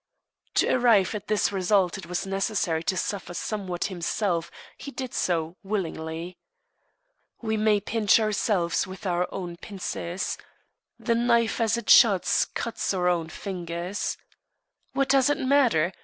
To arrive at this result it was necessary to suffer somewhat himself; he did so willingly. We may pinch ourselves with our own pincers. The knife as it shuts cuts our fingers. What does it matter?